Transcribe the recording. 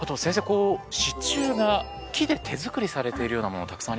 こう支柱が木で手作りされているようなものたくさんありますけど。